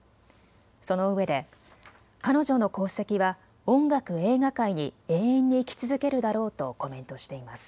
そのうえで彼女の功績は音楽、映画界に永遠に生き続けるだろうとコメントしています。